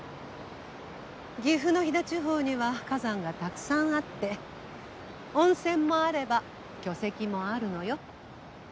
岐阜の飛騨地方には火山がたくさんあって温泉もあれば巨石もあるのよ。